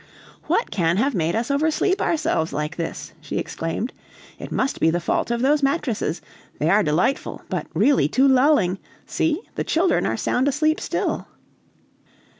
"What can have made us oversleep ourselves like this?" she exclaimed. "It must be the fault of those mattresses; they are delightful, but really too lulling; see, the children are sound asleep still."